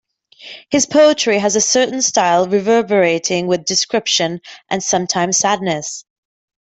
His poetry has a certain style reverberating with description and sometimes sadness.